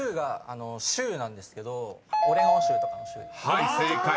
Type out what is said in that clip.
［はい正解。